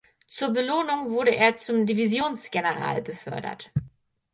Zur Belohnung wurde er zum Divisionsgeneral befördert.